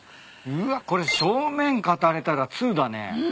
うわこれ正面語れたら通だね。